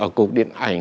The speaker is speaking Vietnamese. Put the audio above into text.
ở cục điện ảnh